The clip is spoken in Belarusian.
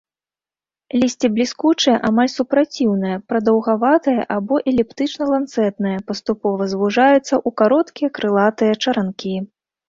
Лісце бліскучае, амаль супраціўнае, прадаўгаватае або эліптычна-ланцэтнае, паступова звужаецца ў кароткія крылатыя чаранкі.